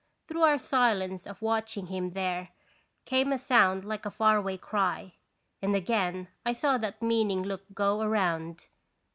Through our silence of r watching him there came once a sound like a faraway cry, and again I saw that meaning look go round.